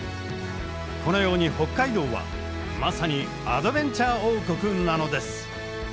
このように北海道はまさにアドベンチャー王国なのです。